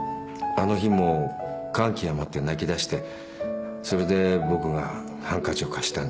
あの日も感極まって泣きだしてそれで僕がハンカチを貸したんだ。